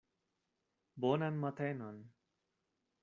Bonan matenon!